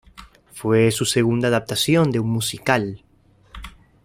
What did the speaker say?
Fue su segunda adaptación de un musical.